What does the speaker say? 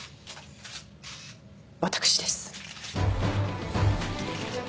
私です。